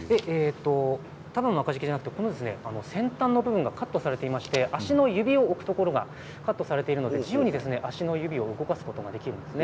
ただの足袋時期ではなく先端の部分がカットされていて足の指を置くところがカットされているので、足の指を自由に動かすことができるんですね。